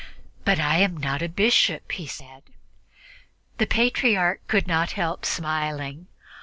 "But I am not a bishop," he said. The Patriarch could not help smiling.